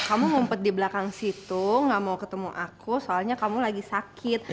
kamu ngumpet di belakang situ gak mau ketemu aku soalnya kamu lagi sakit